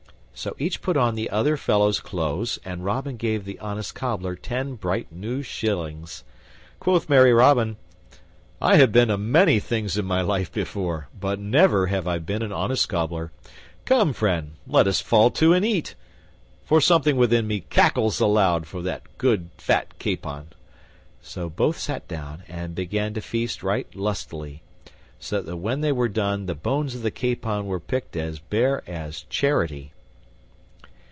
So each put on the other fellow's clothes, and Robin gave the honest Cobbler ten bright new shillings. Quoth merry Robin, "I ha' been a many things in my life before, but never have I been an honest cobbler. Come, friend, let us fall to and eat, for something within me cackles aloud for that good fat capon." So both sat down and began to feast right lustily, so that when they were done the bones of the capon were picked as bare as charity.